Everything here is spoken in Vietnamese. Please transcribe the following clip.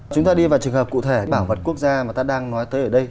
chúng ta đi vào trường hợp cụ thể bảo vật quốc gia mà ta đang nói tới ở đây